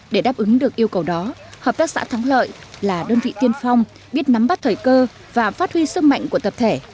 để đáp ứng được yêu cầu đó hợp tác xã thắng lợi là đơn vị tiên phong biết nắm bắt thời cơ và phát huy sức mạnh của tập thể